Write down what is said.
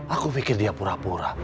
aku pikir dia pura pura